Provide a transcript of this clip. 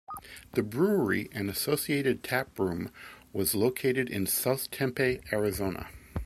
The brewery and associated tap room was located in South Tempe, Arizona.